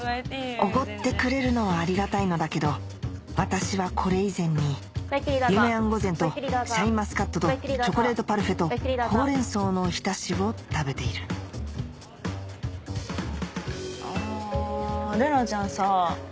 おごってくれるのはありがたいのだけど私はこれ以前に「夢庵御膳」と「シャインマスカット」と「チョコレートパルフェ」と「ほうれん草のおひたし」を食べているあ玲奈ちゃんさ